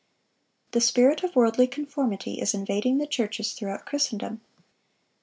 The spirit of worldly conformity is invading the churches throughout Christendom.